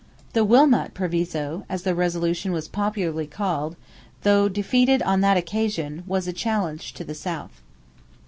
"The Wilmot Proviso," as the resolution was popularly called, though defeated on that occasion, was a challenge to the South.